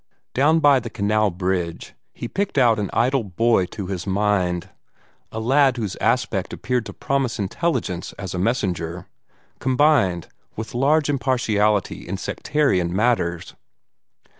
Down by the canal bridge he picked out an idle boy to his mind a lad whose aspect appeared to promise intelligence as a messenger, combined with large impartiality in sectarian matters.